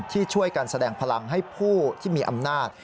ที่ช่วยกันแสดงพลังให้ผู้ที่มีอำนาจ